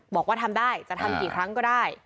บอกว่าทำได้จะทำกี่ครั้งก็ได้